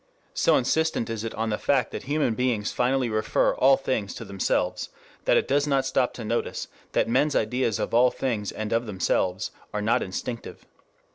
So insistent is it on the fact that human beings finally refer all things to themselves, that it does not stop to notice that men's ideas of all things and of themselves are not instinctive.